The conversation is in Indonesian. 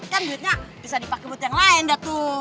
kan duitnya bisa dipake buat yang lain datu